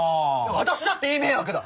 私だっていい迷惑だ！